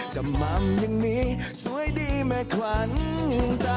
จำมัมยังมีสวยดีแม่ขวานตา